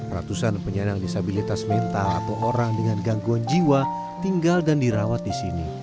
ratusan penyandang disabilitas mental atau orang dengan gangguan jiwa tinggal dan dirawat di sini